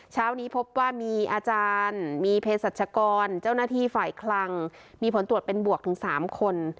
เช้านี้พบว่ามีอาจารย์มีเพศสัชกรเจ้าหน้าที่ฝ่ายคลังมีผลตรวจเป็นบวกถึง๓คน